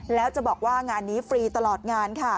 แล้วจะบอกว่างานนี้ฟรีตลอดงานค่ะ